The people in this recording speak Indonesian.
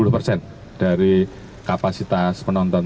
lima puluh persen dari kapasitas penonton